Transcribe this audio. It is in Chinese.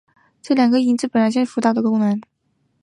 这两个音本质上行使导音的功能。